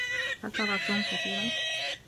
هل ترى توم كثيرا؟